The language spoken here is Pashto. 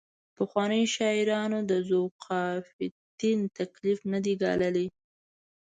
پخوانیو شاعرانو د ذوقافیتین تکلیف نه دی ګاللی.